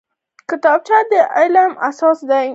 کتابچه د علم اساس دی